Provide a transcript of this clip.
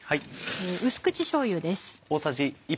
淡口しょうゆです。